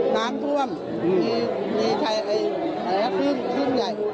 น้ำเจื้อมมีที่ตื่นใหญ่